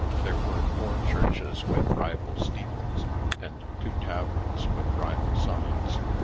There were four churches with rival steeples, and two taverns with rival signs.